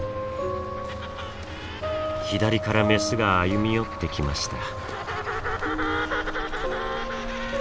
左からメスが歩み寄ってきました。